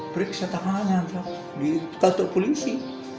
periksa tangannya dong di kantor polisi